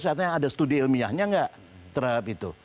saya tanya ada studi ilmiahnya gak terhadap itu